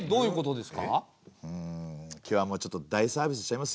うん今日はもうちょっと大サービスしちゃいますよ。